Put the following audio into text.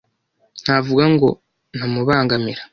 ntavuga ngo nta mubangamira,